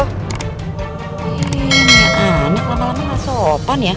eh ini anak lama lama gak sopan ya